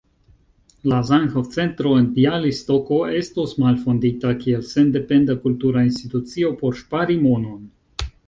La Zamenhof-centro en Bjalistoko estos malfondita kiel sendependa kultura institucio por ŝpari monon.